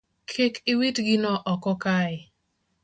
Kik iwit gino oko kae